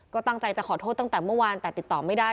ก็ตั้งใจจะขอโทษตั้งแต่เมื่อวานแต่ติดต่อไม่ได้